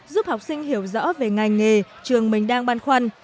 giúp học sinh hiểu rõ về ngành nghề trường mình đang băn khoăn